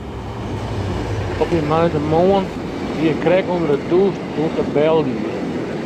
Op dy moandeitemoarn stie ik krekt ûnder de dûs doe't de bel gie.